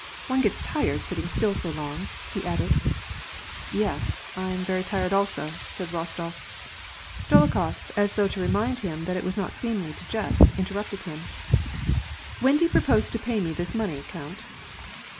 "One gets tired sitting still so long," he added. " Yes, I am very tired, also," said Eostof. Dolokhof, as though to remind him that it was not seemly to jest, interrupted him, —" When do you propose to pay me this money, count